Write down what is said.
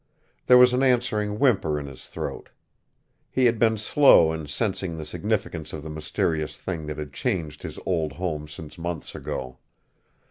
There was an answering whimper in his throat. He had been slow in sensing the significance of the mysterious thing that had changed his old home since months ago.